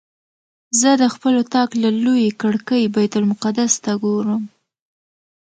زه د خپل اطاق له لویې کړکۍ بیت المقدس ته ګورم.